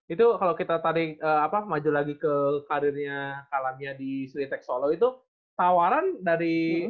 itu kalau kita tadi apa maju lagi ke karirnya kalahnya di siretex solo itu tawaran dari